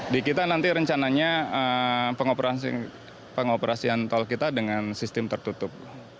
di kita nanti rencananya pengoperasian tol kita dengan sistem tertutup